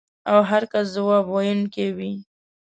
او هر کس ځواب ویونکی وي.